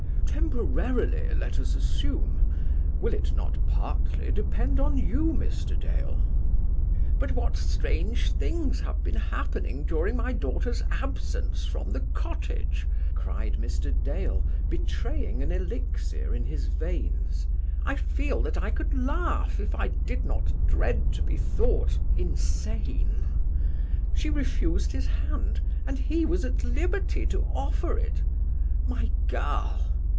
"Temporarily, let us assume. Will it not partly depend on you, Mr. Dale?" "But what strange things have been happening during my daughter's absence from the cottage!" cried Mr. Dale, betraying an elixir in his veins. "I feel that I could laugh if I did not dread to be thought insane. She refused his hand, and he was at liberty to offer it? My girl!